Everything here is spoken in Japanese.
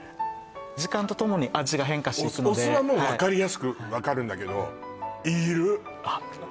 時間とともに味が変化していくのでお酢はもう分かりやすく分かるんだけどいる！